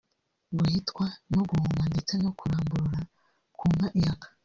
guhitwa no guhuma ndetse no kuramburura ku nka ihaka